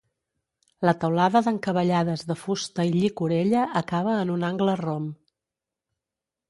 La teulada d'encavallades de fusta i llicorella acaba en un angle rom.